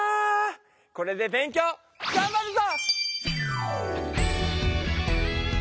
これで勉強がんばるぞ！